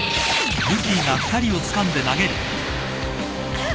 あっ！